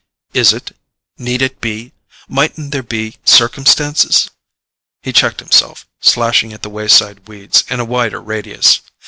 "Is it—need it be? Mightn't there be circumstances——?" he checked himself, slashing at the wayside weeds in a wider radius.